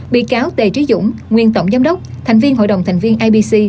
bị cáo t trí dũng nguyên tổng giám đốc thành viên hội đồng thành viên ipc